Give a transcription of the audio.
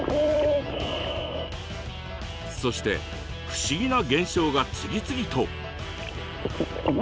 そして不思議な現象が次々と。